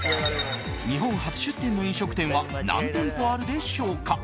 日本初出店の飲食店は何店舗あるでしょうか。